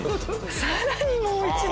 さらにもう一枚！